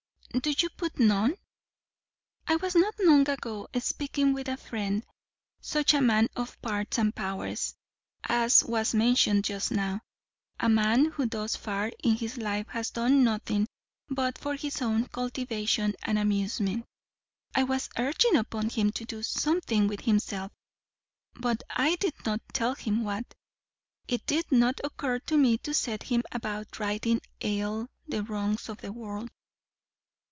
"Do you put none? I was not long ago speaking with a friend, such a man of parts and powers as was mentioned just now; a man who thus far in his life has done nothing but for his own cultivation and amusement. I was urging upon him to do something with himself; but I did not tell him what. It did not occur to me to set him about righting ail the wrongs of the world."